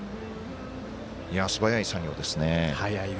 素早い作業ですね。